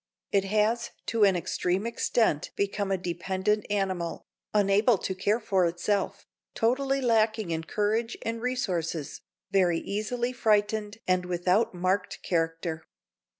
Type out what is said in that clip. It has to an extreme extent become a dependent animal, unable to care for itself, totally lacking in courage and resources, very easily frightened and without marked character.